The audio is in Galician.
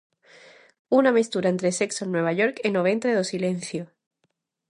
Unha mestura entre Sexo En Nova York e No ventre do Silencio.